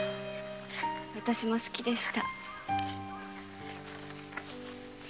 わたしも好きでした。